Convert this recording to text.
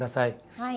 はい。